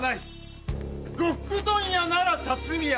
呉服問屋なら辰巳屋！